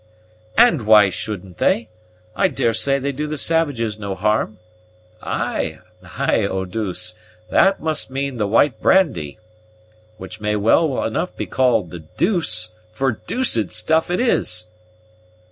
"And why shouldn't they? I daresay they do the savages no harm. Ay, ay, Eau deuce; that must mean the white brandy, which may well enough be called the deuce, for deuced stuff it is!"